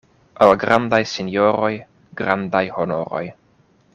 Al grandaj sinjoroj grandaj honoroj.